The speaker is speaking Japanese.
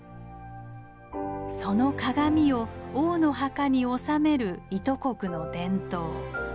その鏡を王の墓におさめる伊都国の伝統。